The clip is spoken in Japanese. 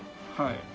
はい。